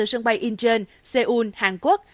sân bay incheon seoul hàn quốc